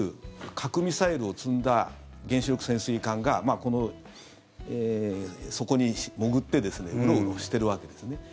核ミサイルを積んだ原子力潜水艦がそこに潜ってうろうろしているわけですね。